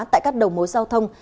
tại các đầu mối giao thông